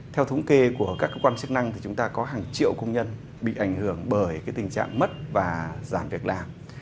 theo thống kê của các cơ quan chức năng thì chúng ta có hàng triệu công nhân bị ảnh hưởng bởi tình trạng mất và giảm việc làm